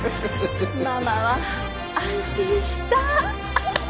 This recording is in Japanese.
ママは安心した。